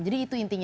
jadi itu intinya